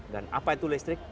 dan apa itu listrik